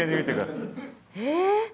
え。